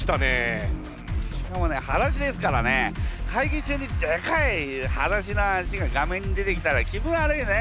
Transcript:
しかもねはだしですからね会議中にでかいはだしの足が画面に出てきたら気分悪いね。